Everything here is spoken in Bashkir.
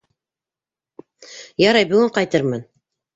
Ярай, бөгөн ҡайтырмын.